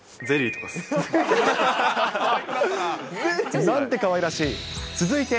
ゼリー？なんてかわいらしい。